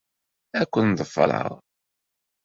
Ad ken-ḍefreɣ.